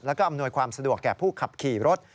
แล้วก็อำนวยความสะดวกแก่ผู้ขับขี่รถ